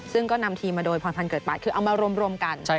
ซึ่งก็นำทีมมาโดยพรพันธ์เกิดปาดคือเอามารวมกัน